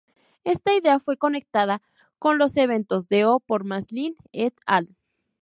Esta idea fue conectada con los eventos D-O por Maslin "et al.".